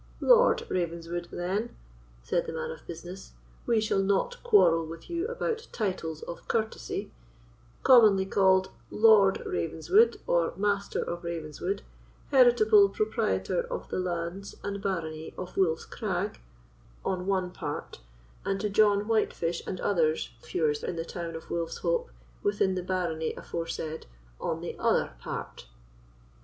"Lord Ravenswood, then," said the man of business—"we shall not quarrel with you about titles of courtesy—commonly called Lord Ravenswood, or Master of Ravenswood, heritable proprietor of the lands and barony of Wolf's Crag, on the one part, and to John Whitefish and others, feuars in the town of Wolf's Hope, within the barony aforesaid, on the other part."